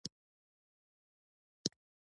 او مولوي نعماني صاحب به هم نه پېژنې.